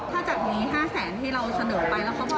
ถ้าจากนี้๕๐๐๐๐๐บาทที่เราเสนอไปแล้ว